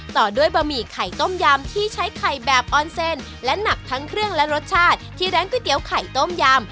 ต่อด้วยบะหมี่ไข่ต้มยำที่ใช้ไข่แบบออนเซนและหนักทั้งเครื่องและรสชาติที่ร้านก๋วยเตี๋ยวไข่ต้มยำ